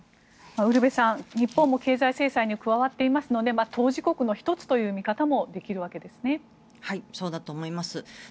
ウルヴェさん日本も経済制裁に加わっていますので当事国の１つという見方もそうだと思います。